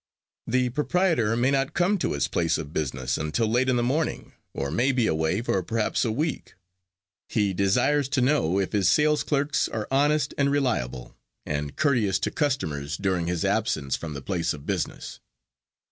The proprietor may not come to his place of business until late in the morning, or may be away for perhaps a week. He desires to know if his sales clerks are honest and reliable, and courteous to customers during his absence from the place of business.